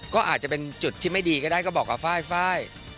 ก็อาจจะเป็นจุดที่ไม่ดีก็ได้ก็บอกกับไฟล์